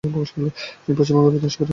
তিনি পশ্চিমবঙ্গ বিধানসভার একজন বিধায়ক।